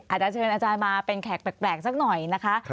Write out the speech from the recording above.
อาจจะเชิญอาจารย์มาเป็นแขกแปลกสักหน่อยนะคะ